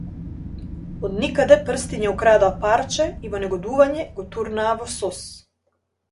Од никаде прстиња украдоа парче и во негодување го турнаа во сос.